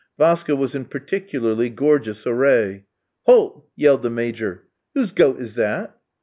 Vaska was in particularly gorgeous array. "Halt!" yelled the Major. "Whose goat is that?"